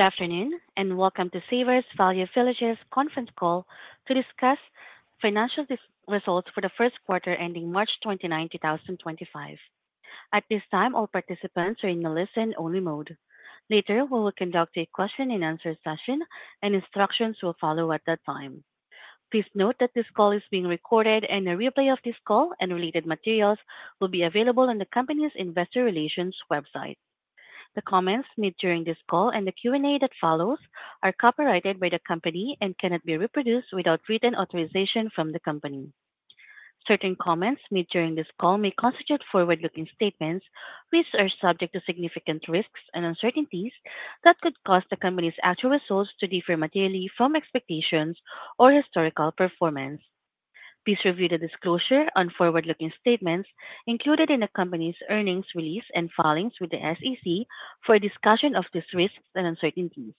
Good afternoon, and welcome to Savers Value Village's conference call to discuss financial results for the first quarter ending March 29, 2025. At this time, all participants are in the listen-only mode. Later, we will conduct a question-and-answer session, and instructions will follow at that time. Please note that this call is being recorded, and a replay of this call and related materials will be available on the company's investor relations website. The comments made during this call and the Q&A that follows are copyrighted by the company and cannot be reproduced without written authorization from the company. Certain comments made during this call may constitute forward-looking statements, which are subject to significant risks and uncertainties that could cause the company's actual results to differ materially from expectations or historical performance. Please review the disclosure on forward-looking statements included in the company's earnings release and filings with the SEC for discussion of these risks and uncertainties.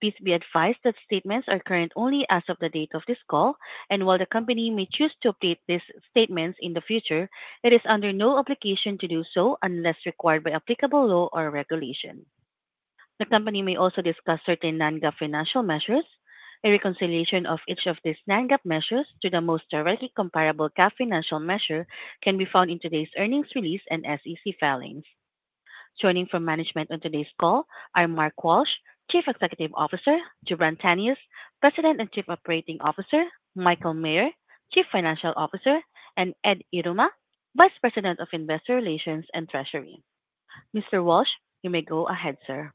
Please be advised that statements are current only as of the date of this call, and while the company may choose to update these statements in the future, it is under no obligation to do so unless required by applicable law or regulation. The company may also discuss certain non-GAAP financial measures. A reconciliation of each of these non-GAAP measures to the most directly comparable GAAP financial measure can be found in today's earnings release and SEC filings. Joining from management on today's call are Mark Walsh, Chief Executive Officer, Jubran Tanious, President and Chief Operating Officer, Michael Maher, Chief Financial Officer, and Ed Yruma, Vice President of Investor Relations and Treasury. Mr. Walsh, you may go ahead, sir.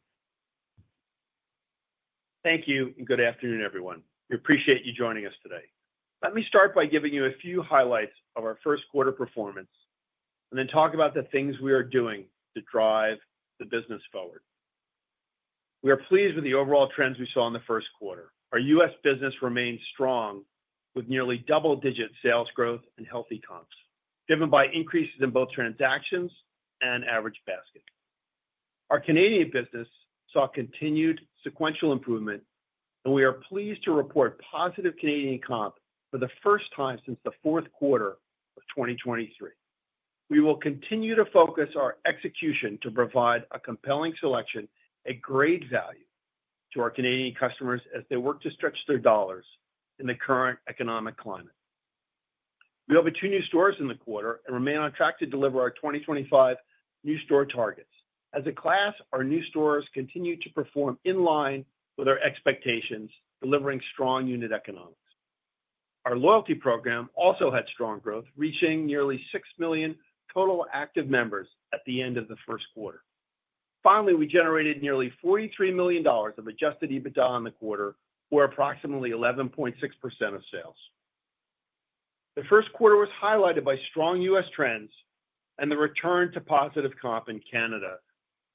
Thank you, and good afternoon, everyone. We appreciate you joining us today. Let me start by giving you a few highlights of our first-quarter performance and then talk about the things we are doing to drive the business forward. We are pleased with the overall trends we saw in the first quarter. Our U.S. business remained strong with nearly double-digit sales growth and healthy comps, driven by increases in both transactions and average basket. Our Canadian business saw continued sequential improvement, and we are pleased to report positive Canadian comp for the first time since the fourth quarter of 2023. We will continue to focus our execution to provide a compelling selection and great value to our Canadian customers as they work to stretch their dollars in the current economic climate. We opened two new stores in the quarter and remain on track to deliver our 2025 new store targets. As a class, our new stores continue to perform in line with our expectations, delivering strong unit economics. Our loyalty program also had strong growth, reaching nearly 6 million total active members at the end of the first quarter. Finally, we generated nearly $43 million of adjusted EBITDA in the quarter, or approximately 11.6% of sales. The first quarter was highlighted by strong U.S. trends and the return to positive comp in Canada.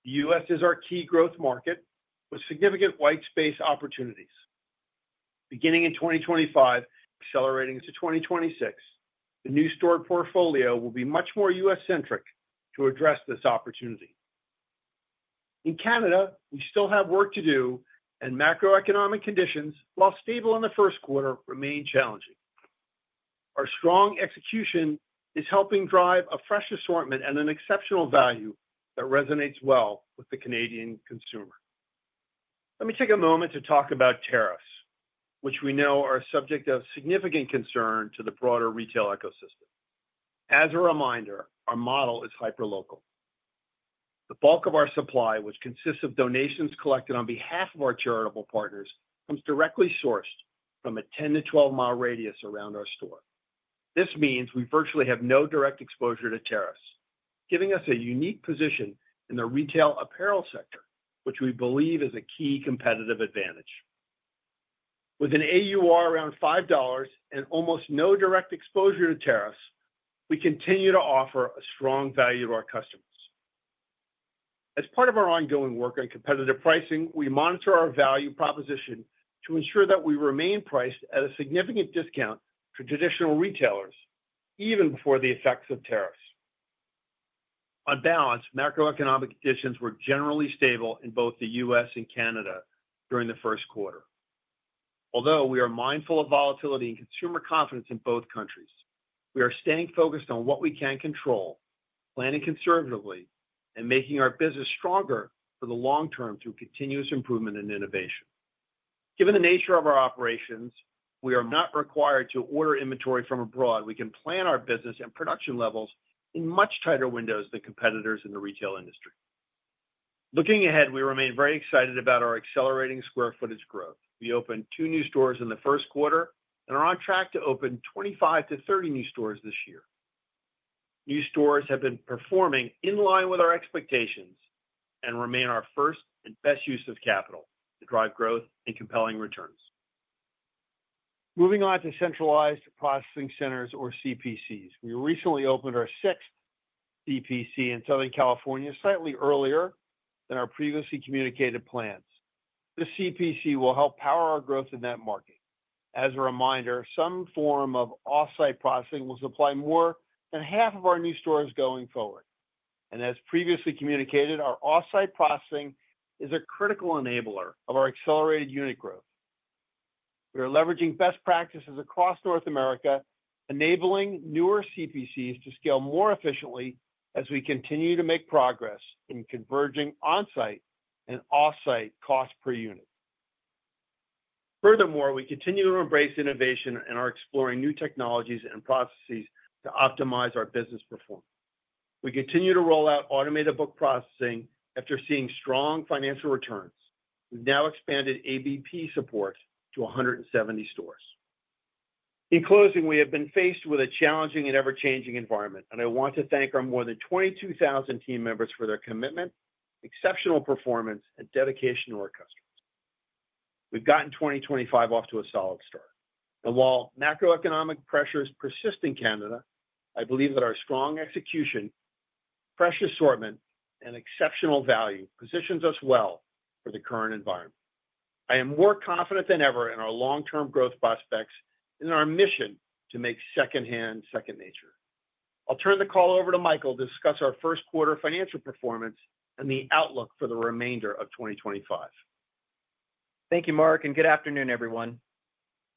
The U.S. is our key growth market with significant white space opportunities. Beginning in 2025, accelerating into 2026, the new store portfolio will be much more U.S.-centric to address this opportunity. In Canada, we still have work to do, and macroeconomic conditions, while stable in the first quarter, remain challenging. Our strong execution is helping drive a fresh assortment and an exceptional value that resonates well with the Canadian consumer. Let me take a moment to talk about tariffs, which we know are a subject of significant concern to the broader retail ecosystem. As a reminder, our model is hyperlocal. The bulk of our supply, which consists of donations collected on behalf of our charitable partners, comes directly sourced from a 10-12 mi radius around our store. This means we virtually have no direct exposure to tariffs, giving us a unique position in the retail apparel sector, which we believe is a key competitive advantage. With an AUR around $5 and almost no direct exposure to tariffs, we continue to offer a strong value to our customers. As part of our ongoing work on competitive pricing, we monitor our value proposition to ensure that we remain priced at a significant discount for traditional retailers, even before the effects of tariffs. On balance, macroeconomic conditions were generally stable in both the U.S. and Canada during the first quarter. Although we are mindful of volatility and consumer confidence in both countries, we are staying focused on what we can control, planning conservatively, and making our business stronger for the long term through continuous improvement and innovation. Given the nature of our operations, we are not required to order inventory from abroad. We can plan our business and production levels in much tighter windows than competitors in the retail industry. Looking ahead, we remain very excited about our accelerating square footage growth. We opened two new stores in the first quarter and are on track to open 25-30 new stores this year. New stores have been performing in line with our expectations and remain our first and best use of capital to drive growth and compelling returns. Moving on to centralized processing centers, or CPCs. We recently opened our sixth CPC in Southern California slightly earlier than our previously communicated plans. This CPC will help power our growth in that market. As a reminder, some form of offsite processing will supply more than half of our new stores going forward. As previously communicated, our offsite processing is a critical enabler of our accelerated unit growth. We are leveraging best practices across North America, enabling newer CPCs to scale more efficiently as we continue to make progress in converging onsite and offsite cost per unit. Furthermore, we continue to embrace innovation and are exploring new technologies and processes to optimize our business performance. We continue to roll out automated book processing after seeing strong financial returns. We've now expanded ABP support to 170 stores. In closing, we have been faced with a challenging and ever-changing environment, and I want to thank our more than 22,000 team members for their commitment, exceptional performance, and dedication to our customers. We have gotten 2025 off to a solid start. While macroeconomic pressure is persistent in Canada, I believe that our strong execution, fresh assortment, and exceptional value positions us well for the current environment. I am more confident than ever in our long-term growth prospects and in our mission to make secondhand second nature. I will turn the call over to Michael to discuss our first-quarter financial performance and the outlook for the remainder of 2025. Thank you, Mark, and good afternoon, everyone.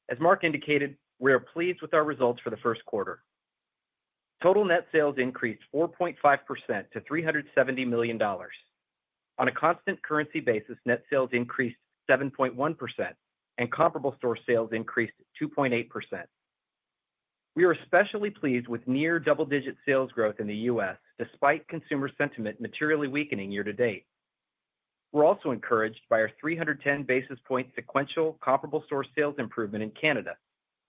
As Mark indicated, we are pleased with our results for the first quarter. Total net sales increased 4.5% to $370 million. On a constant currency basis, net sales increased 7.1%, and comparable store sales increased 2.8%. We are especially pleased with near double-digit sales growth in the U.S., despite consumer sentiment materially weakening year to date. We are also encouraged by our 310 basis point sequential comparable store sales improvement in Canada,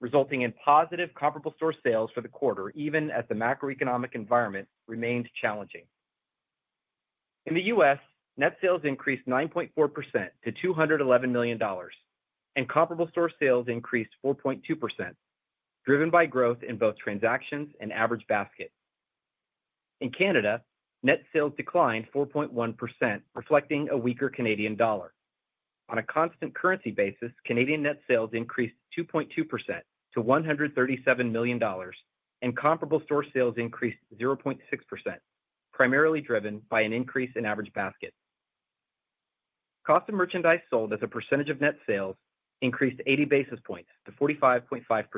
resulting in positive comparable store sales for the quarter, even as the macroeconomic environment remained challenging. In the U.S., net sales increased 9.4% to $211 million, and comparable store sales increased 4.2%, driven by growth in both transactions and average basket. In Canada, net sales declined 4.1%, reflecting a weaker Canadian dollar. On a constant currency basis, Canadian net sales increased 2.2% to $137 million, and comparable store sales increased 0.6%, primarily driven by an increase in average basket. Cost of merchandise sold as a percentage of net sales increased 80 basis points to 45.5%,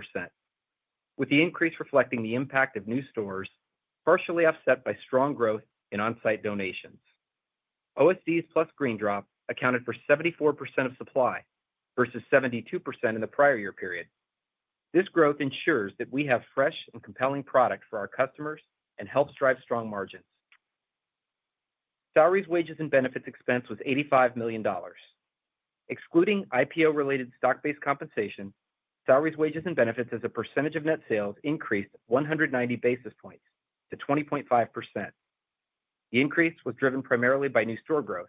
with the increase reflecting the impact of new stores, partially offset by strong growth in on-site donations. OSDs plus GreenDrop accounted for 74% of supply versus 72% in the prior year period. This growth ensures that we have fresh and compelling product for our customers and helps drive strong margins. Salaries, wages, and benefits expense was $85 million. Excluding IPO-related stock-based compensation, salaries, wages, and benefits as a percentage of net sales increased 190 basis points to 20.5%. The increase was driven primarily by new store growth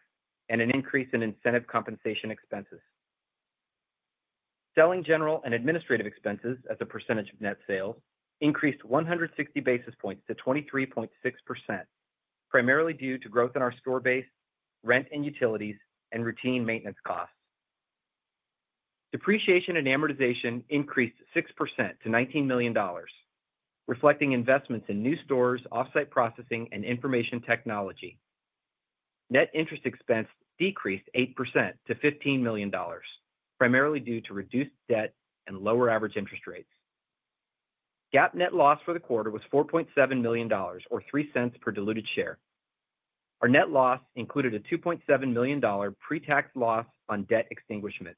and an increase in incentive compensation expenses. Selling, general and administrative expenses as a percentage of net sales increased 160 basis points to 23.6%, primarily due to growth in our store base, rent and utilities, and routine maintenance costs. Depreciation and amortization increased 6% to $19 million, reflecting investments in new stores, offsite processing, and information technology. Net interest expense decreased 8% to $15 million, primarily due to reduced debt and lower average interest rates. GAAP net loss for the quarter was $4.7 million, or $0.03 per diluted share. Our net loss included a $2.7 million pre-tax loss on debt extinguishment.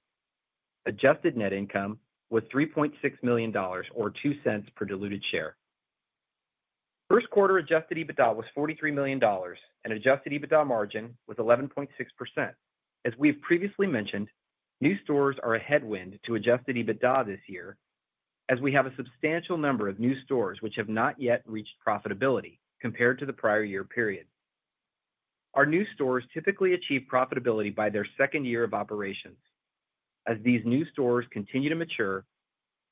Adjusted net income was $3.6 million, or $0.02 per diluted share. First-quarter adjusted EBITDA was $43 million, and adjusted EBITDA margin was 11.6%. As we have previously mentioned, new stores are a headwind to adjusted EBITDA this year, as we have a substantial number of new stores which have not yet reached profitability compared to the prior year period. Our new stores typically achieve profitability by their second year of operations. As these new stores continue to mature,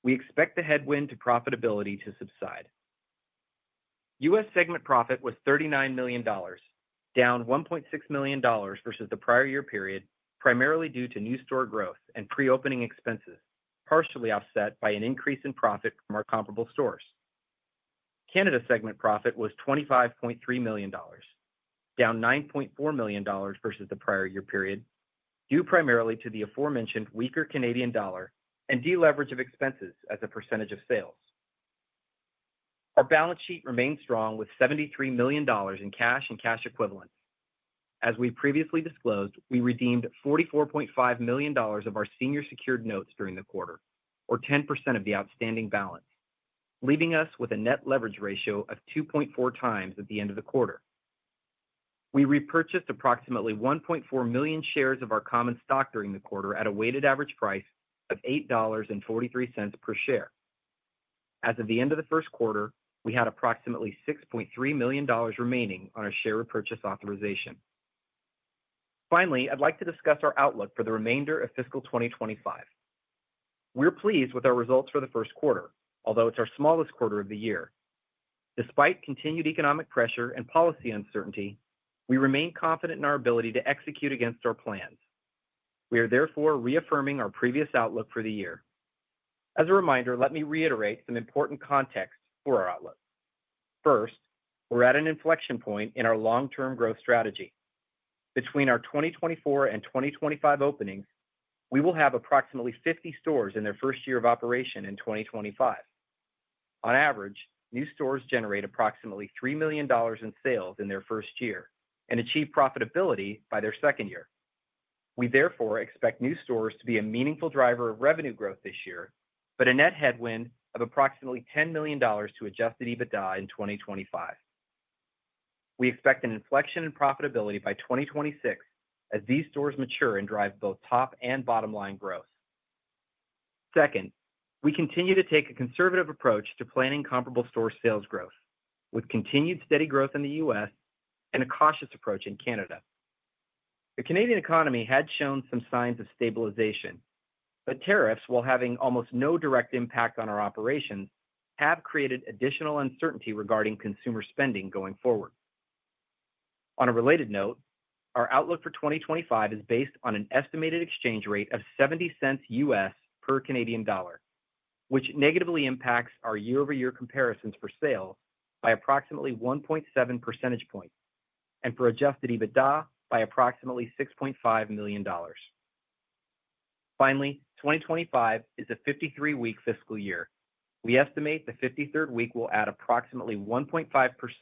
we expect the headwind to profitability to subside. U.S. segment profit was $39 million, down $1.6 million versus the prior year period, primarily due to new store growth and pre-opening expenses, partially offset by an increase in profit from our comparable stores. Canada segment profit was $25.3 million, down $9.4 million versus the prior year period, due primarily to the aforementioned weaker Canadian dollar and deleverage of expenses as a percentage of sales. Our balance sheet remained strong with $73 million in cash and cash equivalents. As we previously disclosed, we redeemed $44.5 million of our senior secured notes during the quarter, or 10% of the outstanding balance, leaving us with a net leverage ratio of 2.4x at the end of the quarter. We repurchased approximately 1.4 million shares of our common stock during the quarter at a weighted average price of $8.43 per share. As of the end of the first quarter, we had approximately $6.3 million remaining on our share repurchase authorization. Finally, I'd like to discuss our outlook for the remainder of fiscal 2025. We're pleased with our results for the first quarter, although it's our smallest quarter of the year. Despite continued economic pressure and policy uncertainty, we remain confident in our ability to execute against our plans. We are therefore reaffirming our previous outlook for the year. As a reminder, let me reiterate some important context for our outlook. First, we're at an inflection point in our long-term growth strategy. Between our 2024 and 2025 openings, we will have approximately 50 stores in their first year of operation in 2025. On average, new stores generate approximately $3 million in sales in their first year and achieve profitability by their second year. We therefore expect new stores to be a meaningful driver of revenue growth this year, but a net headwind of approximately $10 million to adjusted EBITDA in 2025. We expect an inflection in profitability by 2026 as these stores mature and drive both top and bottom line growth. Second, we continue to take a conservative approach to planning comparable store sales growth, with continued steady growth in the U.S. and a cautious approach in Canada. The Canadian economy had shown some signs of stabilization, but tariffs, while having almost no direct impact on our operations, have created additional uncertainty regarding consumer spending going forward. On a related note, our outlook for 2025 is based on an estimated exchange rate of $0.70 U.S. per Canadian dollar, which negatively impacts our year-over-year comparisons for sales by approximately 1.7 percentage points and for adjusted EBITDA by approximately $6.5 million. Finally, 2025 is a 53-week fiscal year. We estimate the 53rd week will add approximately 1.5%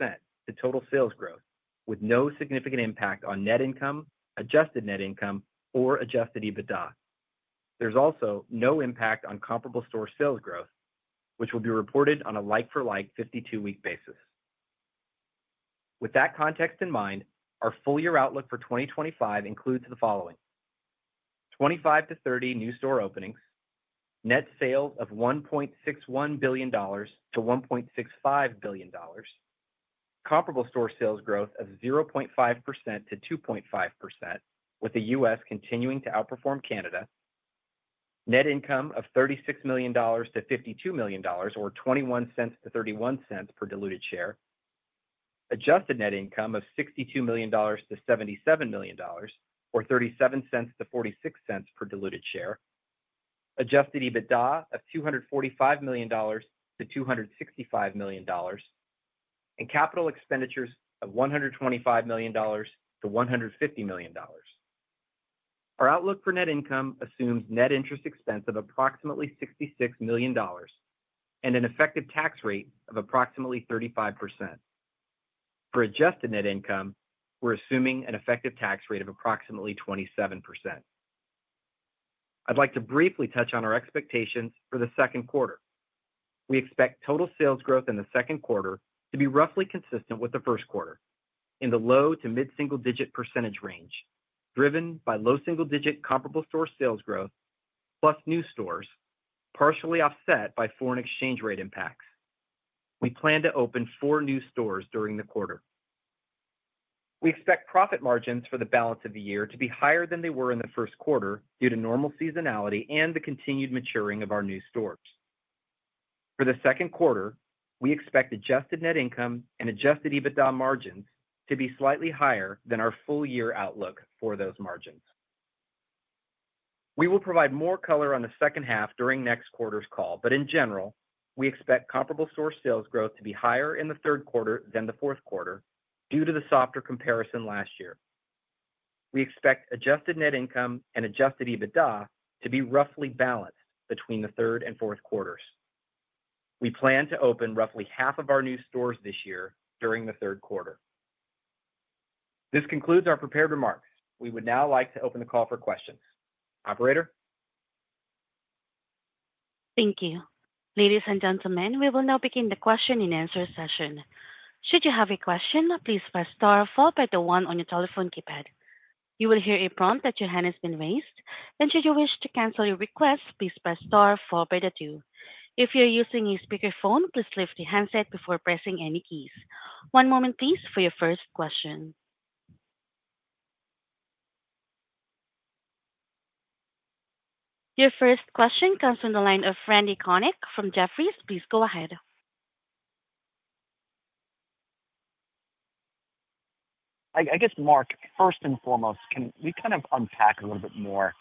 to total sales growth, with no significant impact on net income, adjusted net income, or adjusted EBITDA. There's also no impact on comparable store sales growth, which will be reported on a like-for-like 52-week basis. With that context in mind, our full-year outlook for 2025 includes the following: 25-30 new store openings, net sales of $1.61 billion-$1.65 billion, comparable store sales growth of 0.5%-2.5%, with the U.S. continuing to outperform Canada, net income of $36 million-$52 million, or $0.21-$0.31 per diluted share, adjusted net income of $62 million-$77 million, or $0.37-$0.46 per diluted share, adjusted EBITDA of $245 million-$265 million, and capital expenditures of $125 million-$150 million. Our outlook for net income assumes net interest expense of approximately $66 million and an effective tax rate of approximately 35%. For adjusted net income, we're assuming an effective tax rate of approximately 27%. I'd like to briefly touch on our expectations for the second quarter. We expect total sales growth in the second quarter to be roughly consistent with the first quarter, in the low to mid-single-digit % range, driven by low single-digit comparable store sales growth plus new stores, partially offset by foreign exchange rate impacts. We plan to open four new stores during the quarter. We expect profit margins for the balance of the year to be higher than they were in the first quarter due to normal seasonality and the continued maturing of our new stores. For the second quarter, we expect adjusted net income and adjusted EBITDA margins to be slightly higher than our full-year outlook for those margins. We will provide more color on the second half during next quarter's call, but in general, we expect comparable store sales growth to be higher in the third quarter than the fourth quarter due to the softer comparison last year. We expect adjusted net income and adjusted EBITDA to be roughly balanced between the third and fourth quarters. We plan to open roughly half of our new stores this year during the third quarter. This concludes our prepared remarks. We would now like to open the call for questions. Operator? Thank you. Ladies and gentlemen, we will now begin the question and answer session. Should you have a question, please press star four by the one on your telephone keypad. You will hear a prompt that your hand has been raised. Should you wish to cancel your request, please press star four by the two. If you're using a speakerphone, please lift the handset before pressing any keys. One moment, please, for your first question. Your first question comes from the line of Randal Konik from Jefferies. Please go ahead. I guess, Mark, first and foremost, can we kind of unpack a little bit more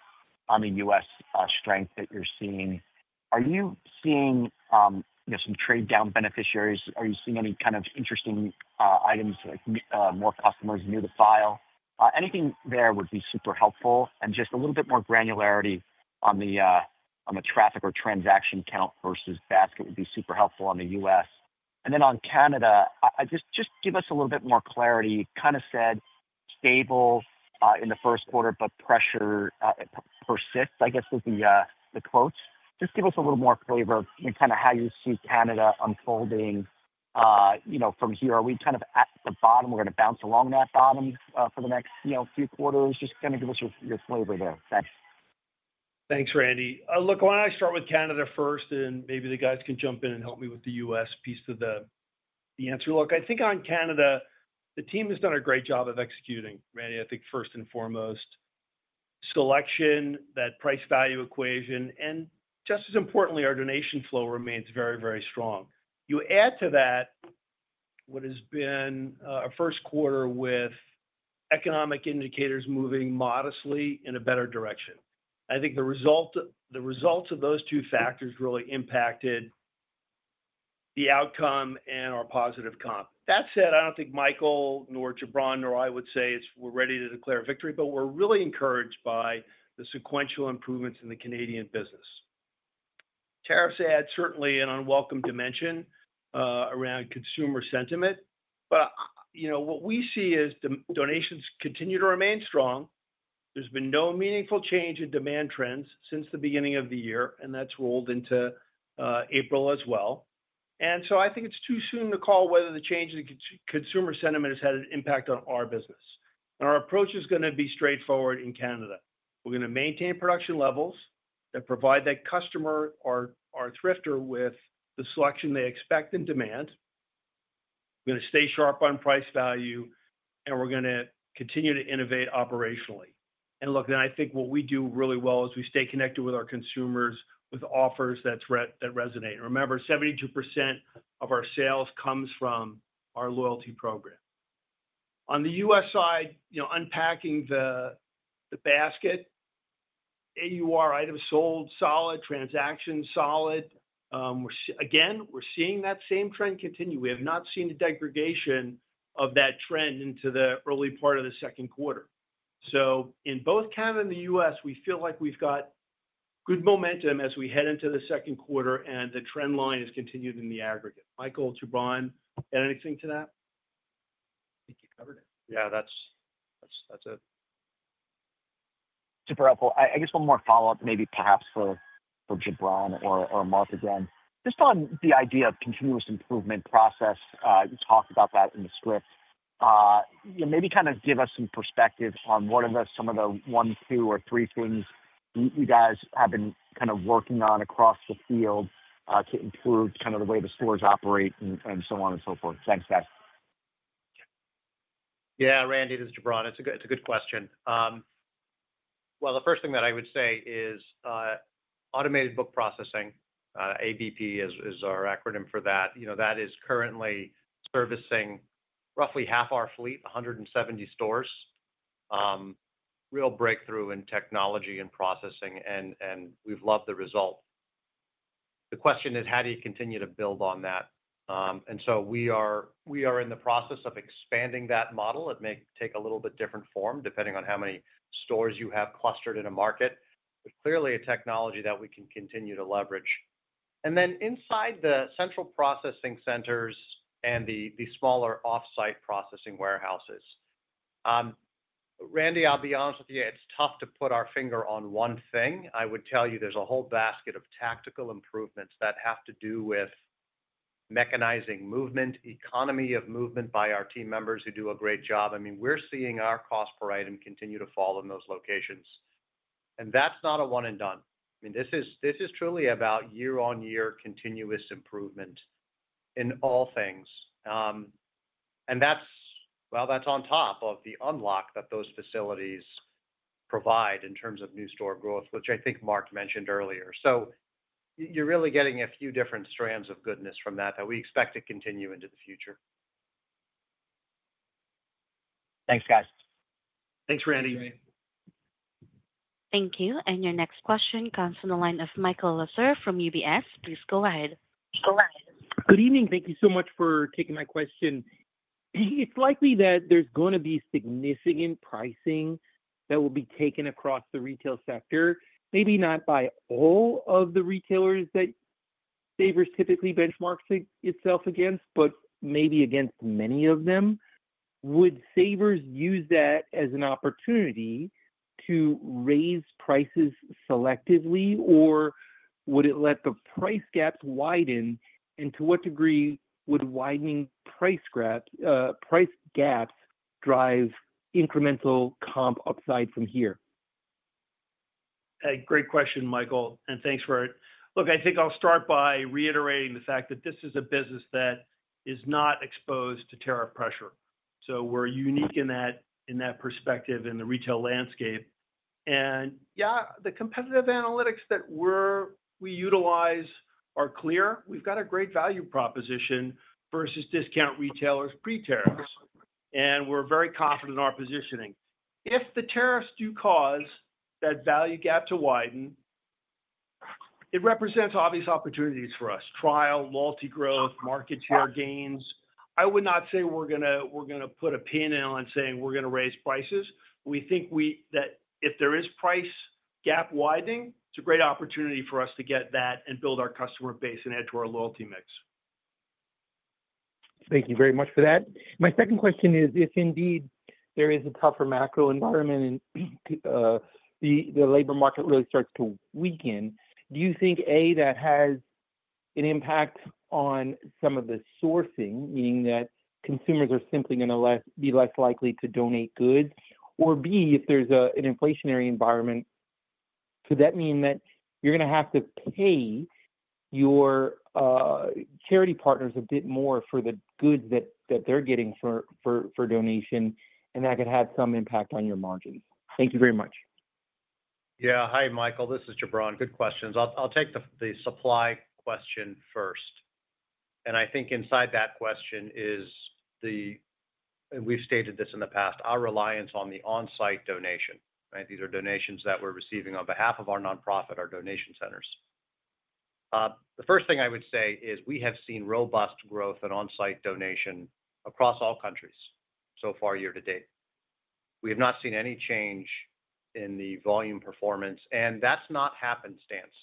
on the U.S. strength that you're seeing? Are you seeing some trade-down beneficiaries? Are you seeing any kind of interesting items, like more customers new to file? Anything there would be super helpful. Just a little bit more granularity on the traffic or transaction count versus basket would be super helpful on the U.S. On Canada, just give us a little bit more clarity. You kind of said stable in the first quarter, but pressure persists, I guess, is the quote. Just give us a little more flavor of kind of how you see Canada unfolding from here. Are we kind of at the bottom? We're going to bounce along that bottom for the next few quarters. Just kind of give us your flavor there. Thanks. Thanks, Randy. Look, why don't I start with Canada first, and maybe the guys can jump in and help me with the U.S. piece of the answer. Look, I think on Canada, the team has done a great job of executing, Randy, I think, first and foremost, selection, that price-value equation, and just as importantly, our donation flow remains very, very strong. You add to that what has been a first quarter with economic indicators moving modestly in a better direction. I think the results of those two factors really impacted the outcome and our positive comp. That said, I don't think Michael nor Jubran nor I would say we're ready to declare victory, but we're really encouraged by the sequential improvements in the Canadian business. Tariffs add certainly an unwelcome dimension around consumer sentiment. What we see is donations continue to remain strong. There's been no meaningful change in demand trends since the beginning of the year, and that's rolled into April as well. I think it's too soon to call whether the change in consumer sentiment has had an impact on our business. Our approach is going to be straightforward in Canada. We're going to maintain production levels that provide that customer, our thrifter, with the selection they expect and demand. We're going to stay sharp on price value, and we're going to continue to innovate operationally. Look, I think what we do really well is we stay connected with our consumers with offers that resonate. Remember, 72% of our sales comes from our loyalty program. On the U.S. side, unpacking the basket, AUR, item sold, solid, transaction solid. Again, we're seeing that same trend continue. We have not seen a degradation of that trend into the early part of the second quarter. In both Canada and the U.S., we feel like we've got good momentum as we head into the second quarter, and the trend line has continued in the aggregate. Michael, Jubran, add anything to that? Thank you. Yeah, that's it. Super helpful. I guess one more follow-up, maybe perhaps for Jubran or Mark again. Just on the idea of continuous improvement process, you talked about that in the script. Maybe kind of give us some perspective on what are some of the one, two, or three things you guys have been kind of working on across the field to improve kind of the way the stores operate and so on and so forth. Thanks, guys. Yeah, Randy, this is Jubran. It's a good question. The first thing that I would say is automated book processing, ABP is our acronym for that. That is currently servicing roughly half our fleet, 170 stores. Real breakthrough in technology and processing, and we've loved the result. The question is, how do you continue to build on that? We are in the process of expanding that model. It may take a little bit different form depending on how many stores you have clustered in a market, but clearly a technology that we can continue to leverage. Then inside the central processing centers and the smaller off-site processing warehouses. Randy, I'll be honest with you, it's tough to put our finger on one thing. I would tell you there's a whole basket of tactical improvements that have to do with mechanizing movement, economy of movement by our team members who do a great job. I mean, we're seeing our cost per item continue to fall in those locations. That's not a one-and-done. I mean, this is truly about year-on-year continuous improvement in all things. That's on top of the unlock that those facilities provide in terms of new store growth, which I think Mark mentioned earlier. You're really getting a few different strands of goodness from that that we expect to continue into the future. Thanks, guys. Thanks, Randy. Thank you. Your next question comes from the line of Michael Lasser from UBS. Please go ahead. Good evening. Thank you so much for taking my question. It's likely that there's going to be significant pricing that will be taken across the retail sector, maybe not by all of the retailers that Savers typically benchmarks itself against, but maybe against many of them. Would Savers use that as an opportunity to raise prices selectively, or would it let the price gaps widen? To what degree would widening price gaps drive incremental comp upside from here? A great question, Michael. Thanks for it. Look, I think I'll start by reiterating the fact that this is a business that is not exposed to tariff pressure. We're unique in that perspective in the retail landscape. The competitive analytics that we utilize are clear. We've got a great value proposition versus discount retailers pre-tariffs. We're very confident in our positioning. If the tariffs do cause that value gap to widen, it represents obvious opportunities for us: trial, multi-growth, market share gains. I would not say we're going to put a pin in on saying we're going to raise prices. We think that if there is price gap widening, it's a great opportunity for us to get that and build our customer base and add to our loyalty mix. Thank you very much for that. My second question is, if indeed there is a tougher macro environment and the labor market really starts to weaken, do you think, A, that has an impact on some of the sourcing, meaning that consumers are simply going to be less likely to donate goods? Or, B, if there's an inflationary environment, could that mean that you're going to have to pay your charity partners a bit more for the goods that they're getting for donation, and that could have some impact on your margins? Thank you very much. Yeah. Hi, Michael. This is Jubran. Good questions. I'll take the supply question first. I think inside that question is, and we've stated this in the past, our reliance on the on-site donation. These are donations that we're receiving on behalf of our nonprofit, our donation centers. The first thing I would say is we have seen robust growth in on-site donation across all countries so far year to date. We have not seen any change in the volume performance, and that's not happenstance.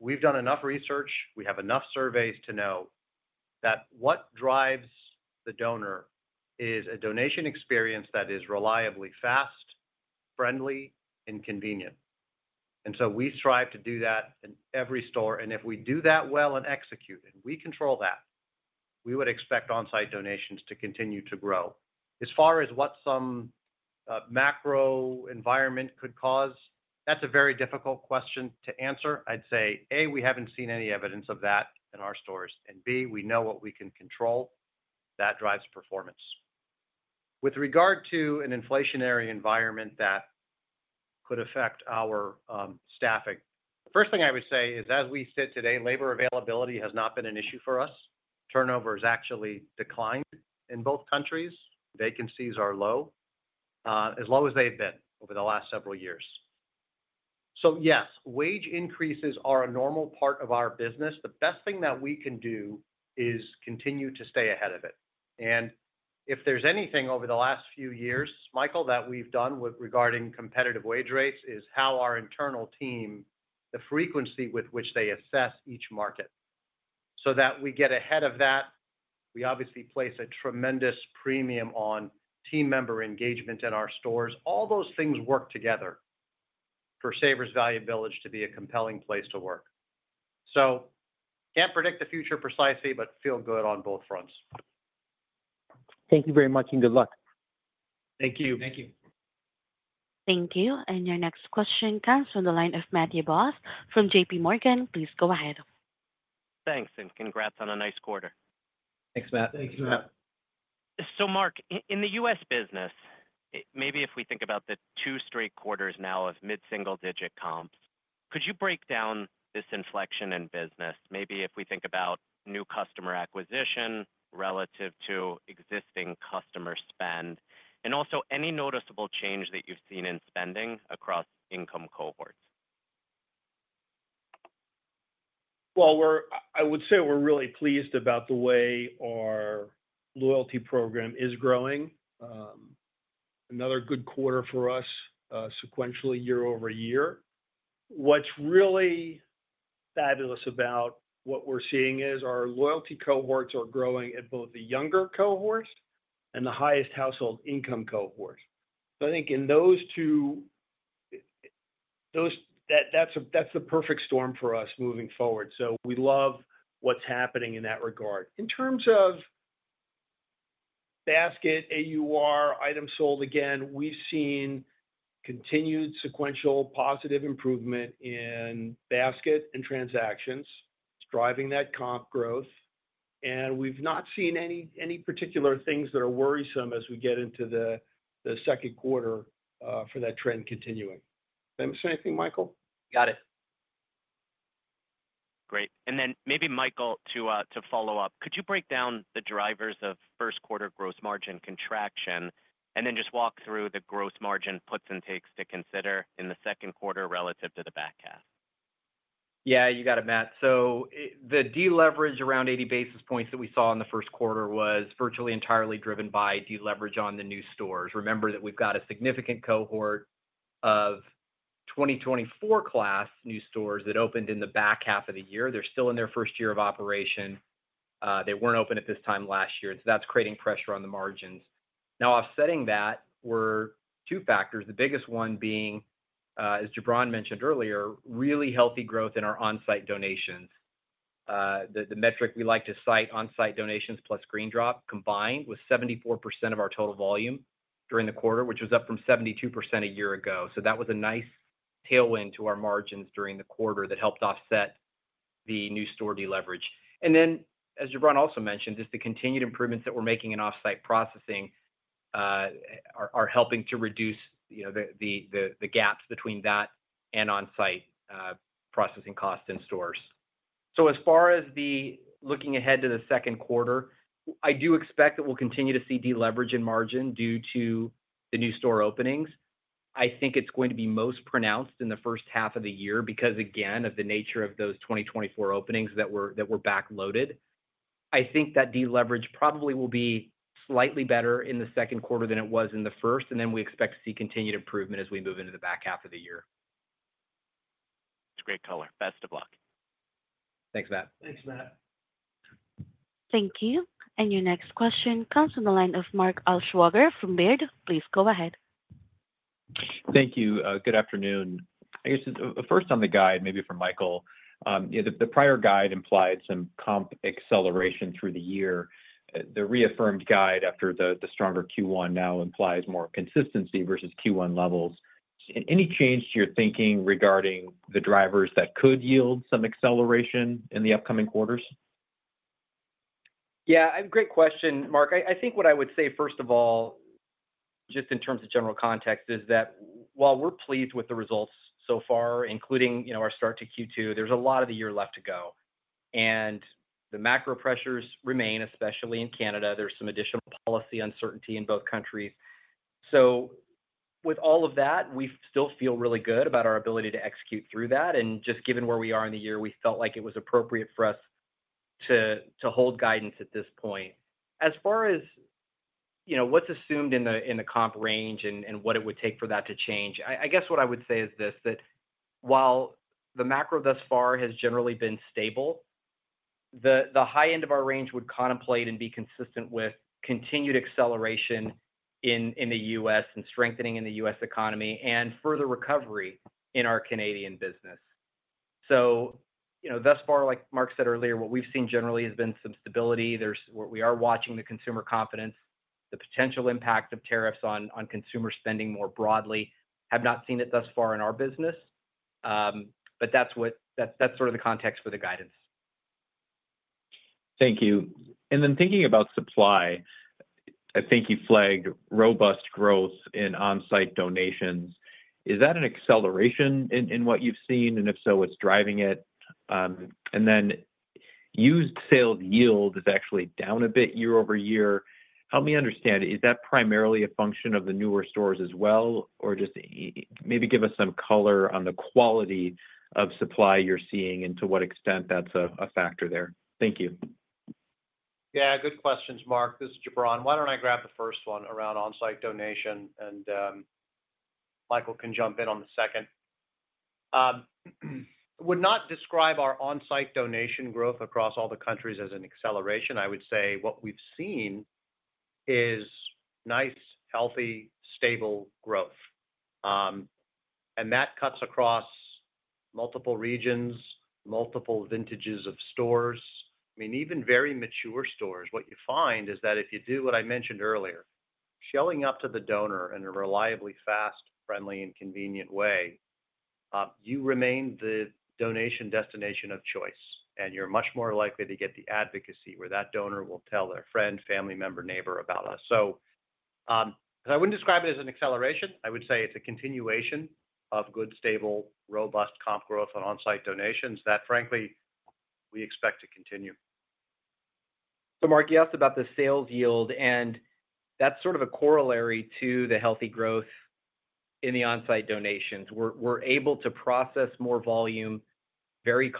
We've done enough research. We have enough surveys to know that what drives the donor is a donation experience that is reliably fast, friendly, and convenient. You know, we strive to do that in every store. If we do that well and execute, and we control that, we would expect on-site donations to continue to grow. As far as what some macro environment could cause, that's a very difficult question to answer. I'd say, A, we haven't seen any evidence of that in our stores. B, we know what we can control. That drives performance. With regard to an inflationary environment that could affect our staffing, the first thing I would say is, as we sit today, labor availability has not been an issue for us. Turnover has actually declined in both countries. Vacancies are low, as low as they've been over the last several years. Yes, wage increases are a normal part of our business. The best thing that we can do is continue to stay ahead of it. If there's anything over the last few years, Michael, that we've done regarding competitive wage rates, it is how our internal team, the frequency with which they assess each market. We obviously place a tremendous premium on team member engagement in our stores. All those things work together for Savers Value Village to be a compelling place to work. Can't predict the future precisely, but feel good on both fronts. Thank you very much and good luck. Thank you. Thank you. Thank you. Your next question comes from the line of Matthew Boss from JPMorgan. Please go ahead. Thanks. Congrats on a nice quarter. Thanks, Matt. Thanks, Matt. Mark, in the U.S. business, maybe if we think about the two straight quarters now of mid-single-digit comps, could you break down this inflection in business, maybe if we think about new customer acquisition relative to existing customer spend, and also any noticeable change that you've seen in spending across income cohorts? I would say we're really pleased about the way our loyalty program is growing. Another good quarter for us, sequentially year-over-year. What's really fabulous about what we're seeing is our loyalty cohorts are growing in both the younger cohorts and the highest household income cohorts. I think in those two, that's the perfect storm for us moving forward. We love what's happening in that regard. In terms of basket, AUR, item sold again, we've seen continued sequential positive improvement in basket and transactions. It's driving that comp growth. We've not seen any particular things that are worrisome as we get into the second quarter for that trend continuing. Did I miss anything, Michael? Got it. Great. Maybe Michael, to follow up, could you break down the drivers of first quarter gross margin contraction and then just walk through the gross margin puts and takes to consider in the second quarter relative to the back half? Yeah, you got it, Matt. The deleverage around 80 basis points that we saw in the first quarter was virtually entirely driven by deleverage on the new stores. Remember that we've got a significant cohort of 2024-class new stores that opened in the back half of the year. They're still in their first year of operation. They weren't open at this time last year. That is creating pressure on the margins. Now, offsetting that were two factors. The biggest one being, as Jubran mentioned earlier, really healthy growth in our on-site donations. The metric we like to cite, on-site donations plus GreenDrop combined was 74% of our total volume during the quarter, which was up from 72% a year ago. That was a nice tailwind to our margins during the quarter that helped offset the new store deleverage. As Jubran also mentioned, just the continued improvements that we're making in off-site processing are helping to reduce the gaps between that and on-site processing costs in stores. As far as looking ahead to the second quarter, I do expect that we'll continue to see deleverage in margin due to the new store openings. I think it's going to be most pronounced in the first half of the year because, again, of the nature of those 2024 openings that were backloaded. I think that deleverage probably will be slightly better in the second quarter than it was in the first. We expect to see continued improvement as we move into the back half of the year. That's great color. Best of luck. Thanks, Matt. Thanks, Matt. Thank you. Your next question comes from the line of Mark Altschwager from Baird. Please go ahead. Thank you. Good afternoon. I guess first on the guide, maybe for Michael, the prior guide implied some comp acceleration through the year. The reaffirmed guide after the stronger Q1 now implies more consistency versus Q1 levels. Any change to your thinking regarding the drivers that could yield some acceleration in the upcoming quarters? Yeah. Great question, Mark. I think what I would say, first of all, just in terms of general context, is that while we're pleased with the results so far, including our start to Q2, there's a lot of the year left to go. The macro pressures remain, especially in Canada. There's some additional policy uncertainty in both countries. With all of that, we still feel really good about our ability to execute through that. Just given where we are in the year, we felt like it was appropriate for us to hold guidance at this point. As far as what's assumed in the comp range and what it would take for that to change, I guess what I would say is this: while the macro thus far has generally been stable, the high end of our range would contemplate and be consistent with continued acceleration in the U.S. and strengthening in the U.S. economy and further recovery in our Canadian business. Thus far, like Mark said earlier, what we've seen generally has been some stability. We are watching the consumer confidence, the potential impact of tariffs on consumer spending more broadly. I have not seen it thus far in our business. That's sort of the context for the guidance. Thank you. Thinking about supply, I think you flagged robust growth in on-site donations. Is that an acceleration in what you've seen? If so, what's driving it? Used sales yield is actually down a bit year over year. Help me understand. Is that primarily a function of the newer stores as well? Maybe give us some color on the quality of supply you're seeing and to what extent that's a factor there. Thank you. Yeah. Good questions, Mark. This is Jubran. Why don't I grab the first one around on-site donation? Michael can jump in on the second. Would not describe our on-site donation growth across all the countries as an acceleration. I would say what we've seen is nice, healthy, stable growth. That cuts across multiple regions, multiple vintages of stores. I mean, even very mature stores, what you find is that if you do what I mentioned earlier, showing up to the donor in a reliably fast, friendly, and convenient way, you remain the donation destination of choice. You're much more likely to get the advocacy where that donor will tell their friend, family member, neighbor about us. I wouldn't describe it as an acceleration. I would say it's a continuation of good, stable, robust comp growth on on-site donations that, frankly, we expect to continue. Mark, you asked about the sales yield. That is sort of a corollary to the healthy growth in the on-site donations. We are able to process more volume very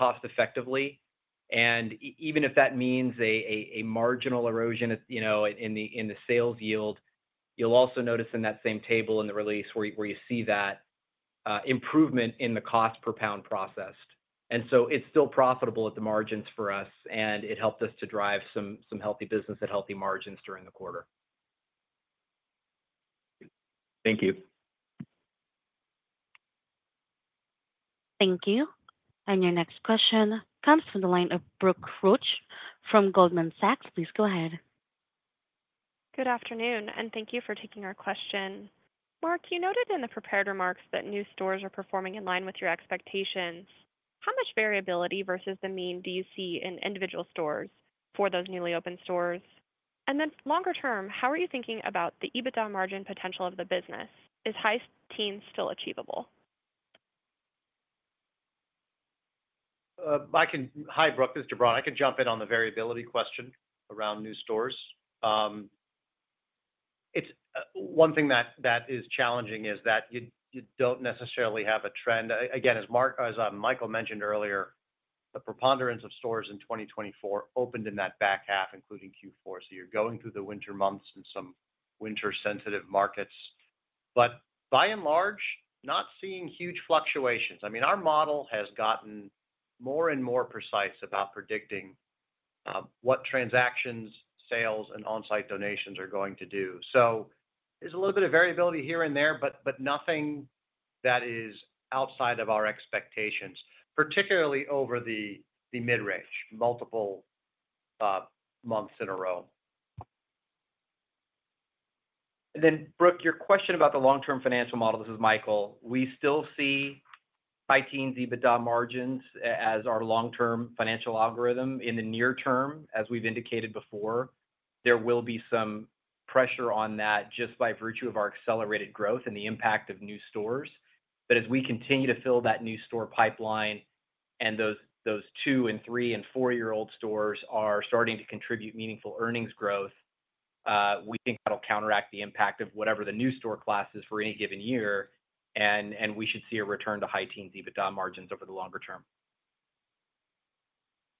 cost-effectively. Even if that means a marginal erosion in the sales yield, you will also notice in that same table in the release where you see that improvement in the cost per pound processed. It is still profitable at the margins for us. It helped us to drive some healthy business at healthy margins during the quarter. Thank you. Thank you. Your next question comes from the line of Brooke Roach from Goldman Sachs. Please go ahead. Good afternoon. Thank you for taking our question. Mark, you noted in the prepared remarks that new stores are performing in line with your expectations. How much variability versus the mean do you see in individual stores for those newly opened stores? Longer term, how are you thinking about the EBITDA margin potential of the business? Is high teens still achievable? Hi, Brooke. This is Jubran. I can jump in on the variability question around new stores. One thing that is challenging is that you do not necessarily have a trend. Again, as Michael mentioned earlier, the preponderance of stores in 2024 opened in that back half, including Q4. You are going through the winter months and some winter-sensitive markets. By and large, not seeing huge fluctuations. I mean, our model has gotten more and more precise about predicting what transactions, sales, and on-site donations are going to do. There is a little bit of variability here and there, but nothing that is outside of our expectations, particularly over the mid-range multiple months in a row. Brooke, your question about the long-term financial model, this is Michael. We still see high teens EBITDA margins as our long-term financial algorithm in the near term, as we have indicated before. There will be some pressure on that just by virtue of our accelerated growth and the impact of new stores. As we continue to fill that new store pipeline and those two and three and four-year-old stores are starting to contribute meaningful earnings growth, we think that'll counteract the impact of whatever the new store class is for any given year. We should see a return to high teens EBITDA margins over the longer term.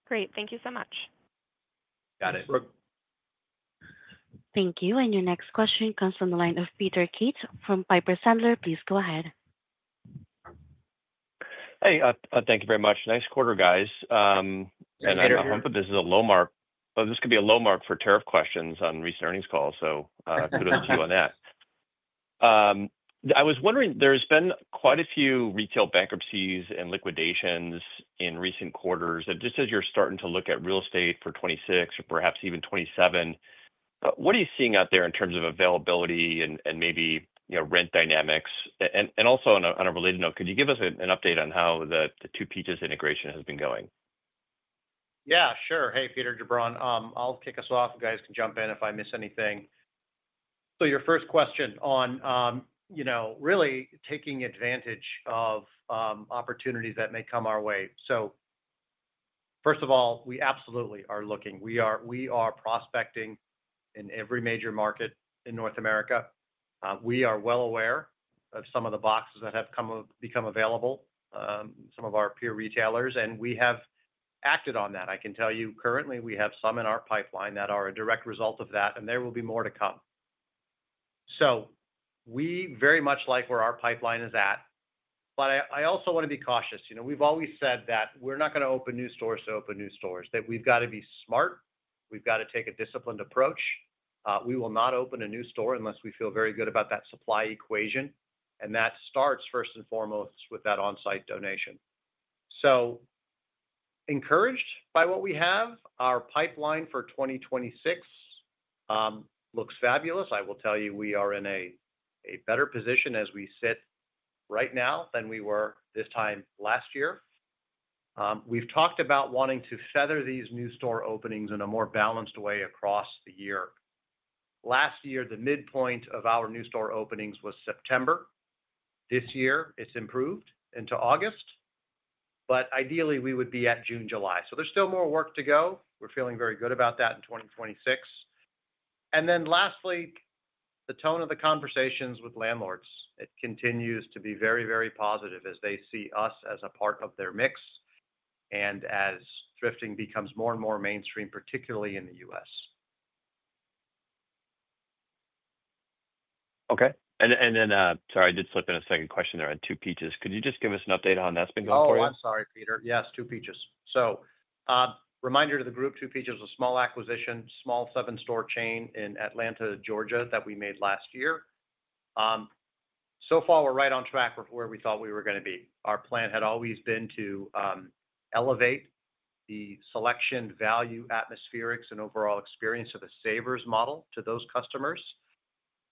Great. Thank you so much. Got it. Thank you. Your next question comes from the line of Peter Keith from Piper Sandler. Please go ahead. Hey, thank you very much. Nice quarter, guys. I hope that this is a low mark. This could be a low mark for tariff questions on recent earnings calls. Kudos to you on that. I was wondering, there's been quite a few retail bankruptcies and liquidations in recent quarters. Just as you're starting to look at real estate for 2026 or perhaps even 2027, what are you seeing out there in terms of availability and maybe rent dynamics? Also, on a related note, could you give us an update on how the Two Peaches integration has been going? Yeah, sure. Hey, Peter, Jubran. I'll kick us off. Guys can jump in if I miss anything. Your first question on really taking advantage of opportunities that may come our way. First of all, we absolutely are looking. We are prospecting in every major market in North America. We are well aware of some of the boxes that have become available, some of our peer retailers. We have acted on that. I can tell you currently we have some in our pipeline that are a direct result of that. There will be more to come. We very much like where our pipeline is at. I also want to be cautious. We've always said that we're not going to open new stores to open new stores, that we've got to be smart. We've got to take a disciplined approach. We will not open a new store unless we feel very good about that supply equation. That starts first and foremost with that on-site donation. Encouraged by what we have, our pipeline for 2026 looks fabulous. I will tell you we are in a better position as we sit right now than we were this time last year. We've talked about wanting to feather these new store openings in a more balanced way across the year. Last year, the midpoint of our new store openings was September. This year, it's improved into August. Ideally, we would be at June, July. There is still more work to go. We're feeling very good about that in 2026. Lastly, the tone of the conversations with landlords, it continues to be very, very positive as they see us as a part of their mix and as thrifting becomes more and more mainstream, particularly in the U.S. Okay. Sorry, I did slip in a second question there on Two Peaches. Could you just give us an update on how that's been going for you? Oh, I'm sorry, Peter. Yes, Two Peaches. So reminder to the group, Two Peaches was a small acquisition, small seven-store chain in Atlanta, Georgia that we made last year. So far, we're right on track with where we thought we were going to be. Our plan had always been to elevate the selection value, atmospherics, and overall experience of the Savers model to those customers.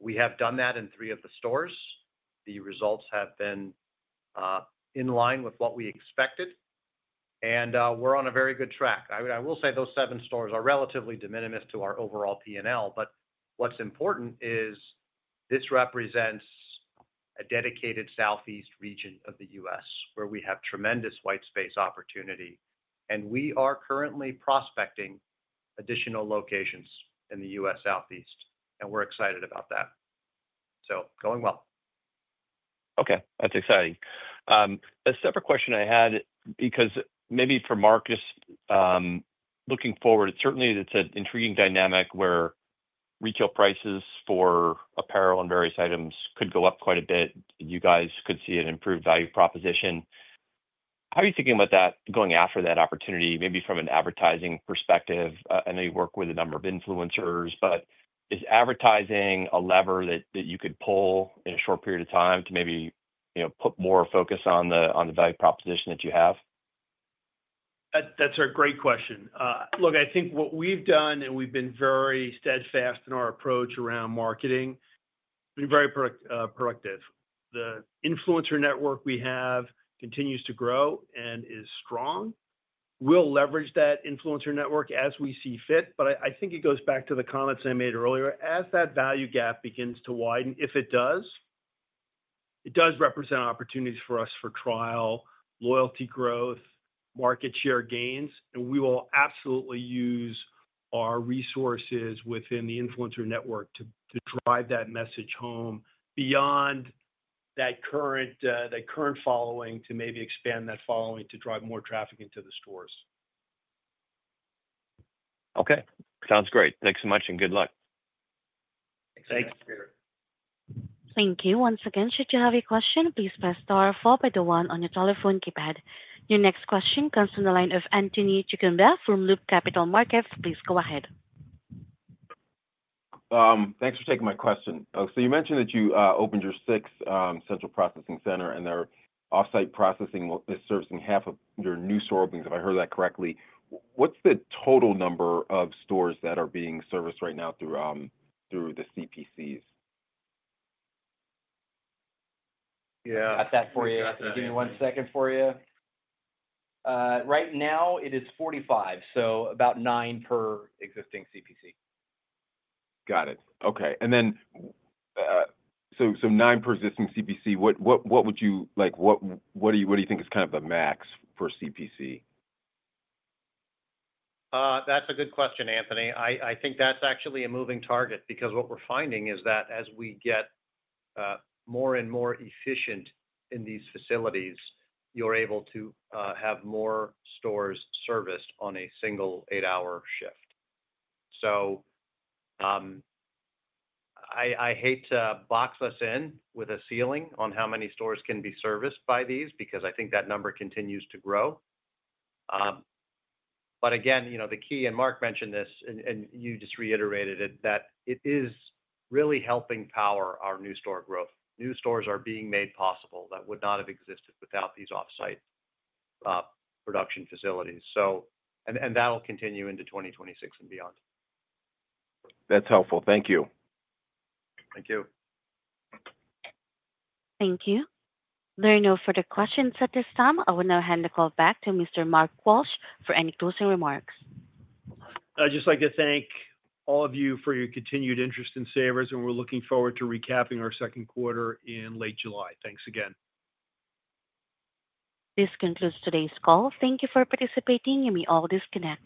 We have done that in three of the stores. The results have been in line with what we expected. We are on a very good track. I will say those seven stores are relatively de minimis to our overall P&L. What is important is this represents a dedicated Southeast region of the U.S. where we have tremendous white space opportunity. We are currently prospecting additional locations in the U.S. Southeast. We are excited about that. Going well. Okay. That's exciting. A separate question I had because maybe for Mark is looking forward, certainly it's an intriguing dynamic where retail prices for apparel and various items could go up quite a bit. You guys could see an improved value proposition. How are you thinking about that going after that opportunity, maybe from an advertising perspective? I know you work with a number of influencers, but is advertising a lever that you could pull in a short period of time to maybe put more focus on the value proposition that you have? That's a great question. Look, I think what we've done and we've been very steadfast in our approach around marketing, we're very productive. The influencer network we have continues to grow and is strong. We'll leverage that influencer network as we see fit. I think it goes back to the comments I made earlier. As that value gap begins to widen, if it does, it does represent opportunities for us for trial, loyalty growth, market share gains. We will absolutely use our resources within the influencer network to drive that message home beyond that current following to maybe expand that following to drive more traffic into the stores. Okay. Sounds great. Thanks so much and good luck. Thanks, Peter. Thank you. Once again, should you have a question, please press star four by the one on your telephone keypad. Your next question comes from the line of Anthony Chukumba from Loop Capital Markets. Please go ahead. Thanks for taking my question. You mentioned that you opened your sixth centralized processing center and their off-site processing is servicing half of your new store openings, if I heard that correctly. What's the total number of stores that are being serviced right now through the CPCs? Yeah. At that for you? Give me one second for you. Right now, it is 45. So about nine per existing CPC. Got it. Okay. And then 9 per existing CPC, what would you like? What do you think is kind of the max for CPC? That's a good question, Anthony. I think that's actually a moving target because what we're finding is that as we get more and more efficient in these facilities, you're able to have more stores serviced on a single eight-hour shift. I hate to box us in with a ceiling on how many stores can be serviced by these because I think that number continues to grow. Again, the key, and Mark mentioned this, and you just reiterated it, that it is really helping power our new store growth. New stores are being made possible that would not have existed without these off-site production facilities. That'll continue into 2026 and beyond. That's helpful. Thank you. Thank you. Thank you. There are no further questions at this time. I will now hand the call back to Mr. Mark Walsh for any closing remarks. I'd just like to thank all of you for your continued interest in Savers Value Village. We're looking forward to recapping our second quarter in late July. Thanks again. This concludes today's call. Thank you for participating. You may all disconnect.